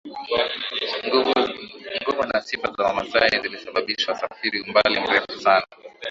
nguvu na sifa za wamasai zilisababisha wasafiri umbali mrefu sana